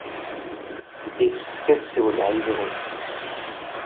Yessefk ad ssiwleɣ yid-wen.